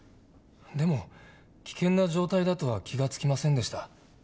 でも危険な状態だとは気が付きませんでした。